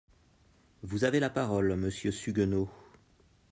Vous avez la parole, monsieur Suguenot.